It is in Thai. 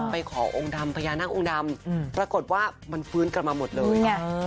ไปของพญานาคองดำปรากฏว่ามันเฟื้นกันมาหมดเลย